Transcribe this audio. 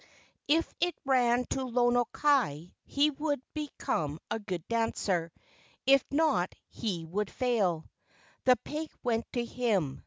If it ran to Lono kai, he would be¬ come a good dancer; if not, he would fail. The pig went to him.